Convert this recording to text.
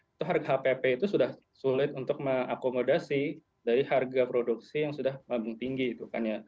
itu harga hpp itu sudah sulit untuk mengakomodasi dari harga produksi yang sudah mabung tinggi itu kan ya